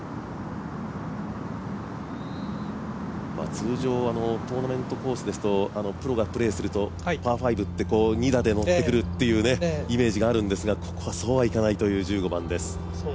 通常、トーナメントコースですと、プロがプレーすると、パー５って２打で持ってくるっていうイメージがあるんですがここはそうはいかないという１５番です。